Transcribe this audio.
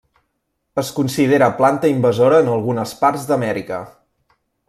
Es considera planta invasora en algunes parts d'Amèrica.